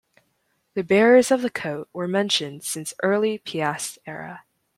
The bearers of the coat were mentioned since early Piast era.